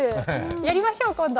やりましょう、今度。